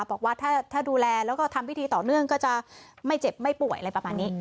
บอกว่าถ้าดูแลแล้วก็ทำพิธีต่อเนื่องก็จะไม่เจ็บไม่ป่วยอะไรประมาณนี้